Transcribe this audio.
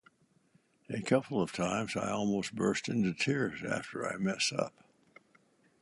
A couple of times, I almost burst into tears after I mess up.